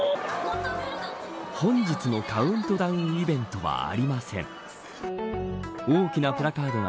本日のカウントダウンイベントは